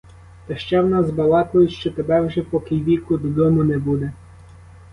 Та ще в нас балакають, що тебе вже, поки й віку, додому не буде.